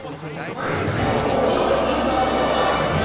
クイズあったぞ。